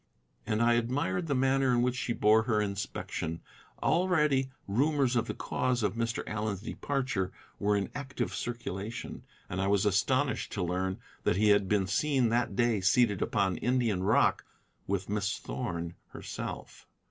And I admired the manner in which she bore her inspection. Already rumors of the cause of Mr. Allen's departure were in active circulation, and I was astonished to learn that he had been seen that day seated upon Indian rock with Miss Thorn herself.